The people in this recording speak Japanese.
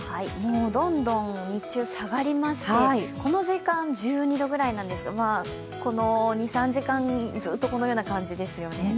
どんどん日中、下がりましてこの時間、１２度ぐらいなんですがこの２３時間、ずっとこのような感じですよね。